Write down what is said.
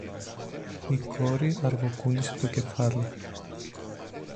Η κόρη αργοκούνησε το κεφάλι.